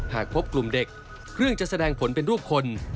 หากพบกลุ่มเด็กเครื่องจะแสดงผลเป็นรูปคน